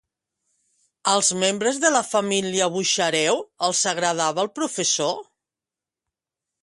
Als membres de la família Buxareu els agradava el professor?